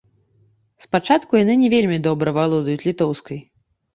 Спачатку яны не вельмі добра валодаюць літоўскай.